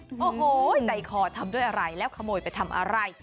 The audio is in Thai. จ่ายขอจะทำด้วยอะไรแล้วขโมยทำอะไร